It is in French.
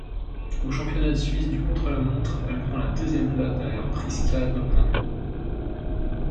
Au championnat de Suisse du contre-la-montre, elle prend la deuxième place derrière Priska Doppmann.